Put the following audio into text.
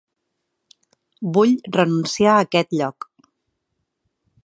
Vull renunciar a aquest lloc.